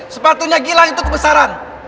sepatunya gilang itu kebesaran